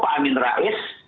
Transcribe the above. pak amin rais